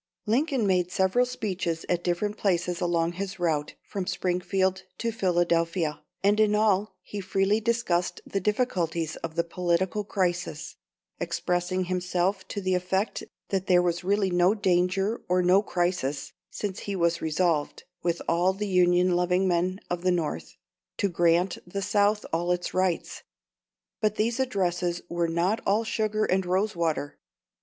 Lincoln made several speeches at different places along his route from Springfield to Philadelphia, and in all he freely discussed the difficulties of the political crisis, expressing himself to the effect that there was really no danger or no crisis, since he was resolved, with all the Union loving men of the North, to grant the South all its rights. But these addresses were not all sugar and rose water.